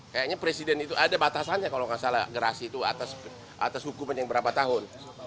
kayaknya presiden itu ada batasannya kalau nggak salah gerasi itu atas hukuman yang berapa tahun